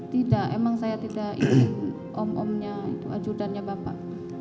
tidak emang saya tidak ingin om omnya ajudennya berkata kata saya tidak tahu terus disini